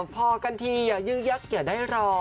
พอกันทีอย่างยื่นยักษ์อย่างได้รอ